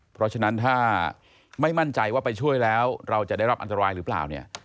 เพราะฉะนั้นถ้าไม่มั่นใจว่าไปช่วยแล้วเราจะได้รับอันตรายหรือเปล่าเนี่ย